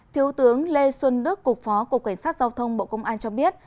thiếu tướng lê xuân đức cục phó cục cảnh sát giao thông bộ công an cho biết